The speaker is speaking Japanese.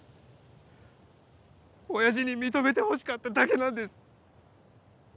親父に認めてほしかっただけなんです。